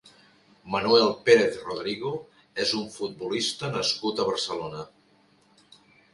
Manuel Pérez Rodrigo és un futbolista nascut a Barcelona.